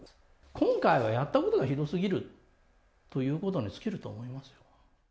今回はやったことがひどすぎるということに尽きると思います。